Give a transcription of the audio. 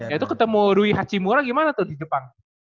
ya itu ketemu rui hachimura gimana tuh di jepang